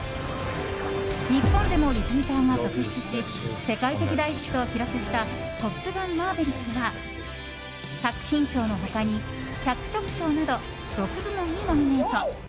日本でもリピーターが続出し世界的大ヒットを記録した「トップガンマーヴェリック」は作品賞の他に脚色賞など６部門にノミネート。